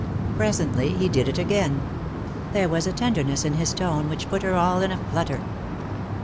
Presently he did it again ; there was a tenderness in his tone which put her all in a flutter.